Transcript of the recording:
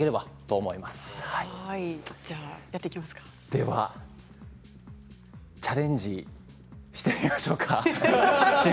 ではチャレンジしてみましょうか。